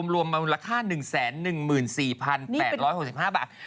รวมมาราคา๑๑๔๘๖๕บาท